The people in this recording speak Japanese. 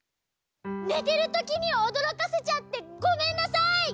ねてるときにおどろかせちゃってごめんなさい！